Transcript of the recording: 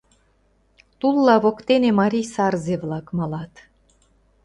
Тулла воктене марий сарзе-влак малат.